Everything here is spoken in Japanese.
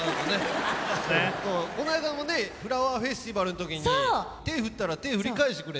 この間もねフラワーフェスティバルの時に手振ったら手振り返してくれて。